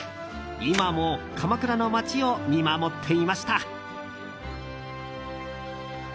今も鎌倉の街を見守っていました。